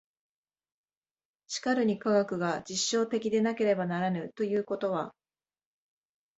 しかるに科学が実証的でなければならぬということは、